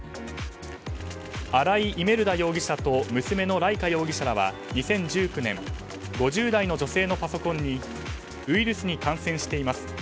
アライ・イメルダ容疑者と娘のライカ容疑者らは２０１９年５０代の女性のパソコンにウイルスに感染しています。